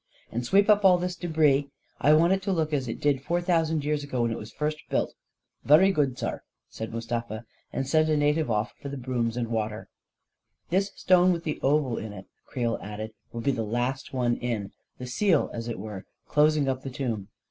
And sweep up all this debris. I want it to look as it did four thousand years ago, when it was first built." 44 Vurry good, saar," said Mustafa, and sent a native off for brooms and water. 44 This stone with the oval in it," Creel added, 44 will be the last one in — the seal, as it were, clos ing up the tomb.